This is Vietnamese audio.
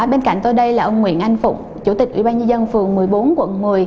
bên cạnh tôi đây là ông nguyễn anh phục chủ tịch ủy ban nhân dân phường một mươi bốn quận một mươi